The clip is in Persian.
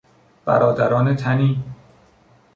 برادران تنی